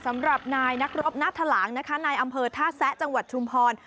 สำหรับนายนักรบหน้าทะลังนะคะนายอำเภอท่าแซะจังหวัดชุมพร